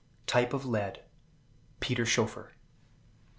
Type of Lead. Peter Schoeffer.